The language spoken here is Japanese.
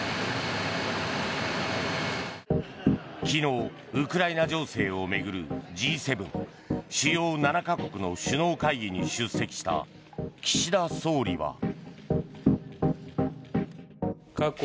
昨日、ウクライナ情勢を巡るＧ７・主要７か国の首脳会議に出席した岸田総理は。